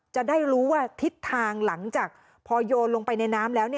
จะได้รู้ว่าทิศทางหลังจากพอโยนลงไปในน้ำแล้ว